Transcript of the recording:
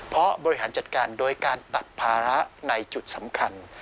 เพราะบริหารจัดการโดยการตัดภาระในจุดสำคัญ